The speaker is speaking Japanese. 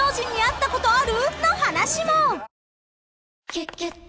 「キュキュット」